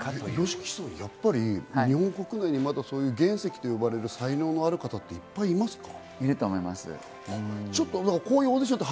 ＹＯＳＨＩＫＩさん、やっぱり日本国内にまだ原石と呼ばれる才能のある方いっぱいいますか？